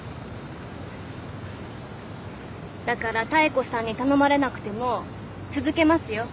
だから妙子さんに頼まれなくても続けますよ